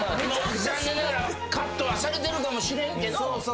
残念ながらカットはされてるかもしれんけど。